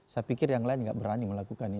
saya pikir yang lain gak berani melakukan